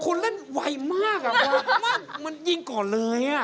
คุณเล่นไวมากมันยิงก่อนเลย